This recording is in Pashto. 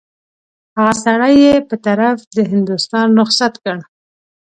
هغه سړی یې په طرف د هندوستان رخصت کړ.